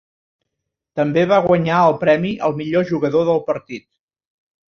També va guanyar el premi al millor jugador del partit.